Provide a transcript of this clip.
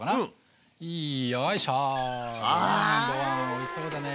おいしそうだね！